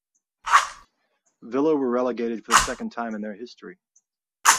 Villa were relegated for the second time in their history.